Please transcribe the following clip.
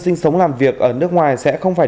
sinh sống làm việc ở nước ngoài sẽ không phải